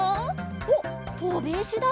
おっとびいしだ。